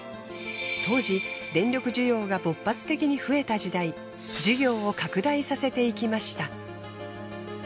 当時電力需要が勃発的に増えた時代事業を拡大させていきました。